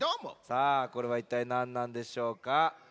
さあこれはいったいなんなんでしょうか？